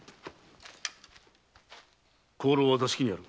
香炉は座敷にある。